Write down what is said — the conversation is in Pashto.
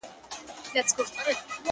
كليوال بـيــمـار ، بـيـمــار ، بــيـمار دى,